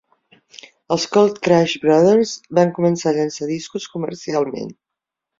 Els Cold Crush Brothers van començar a llançar discos comercialment.